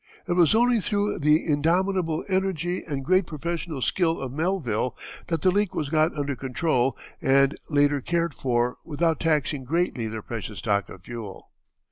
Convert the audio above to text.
It was only through the indomitable energy and great professional skill of Melville that the leak was got under control, and later cared for, without taxing greatly their precious stock of fuel.